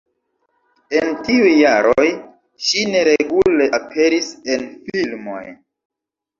En tiuj jaroj, ŝi neregule aperis en filmoj.